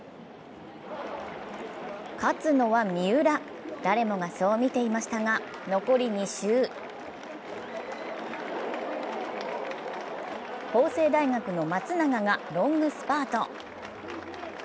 勝つのは三浦、誰もがそう見ていましたが残り２周、法政大学の松永がロングスパート。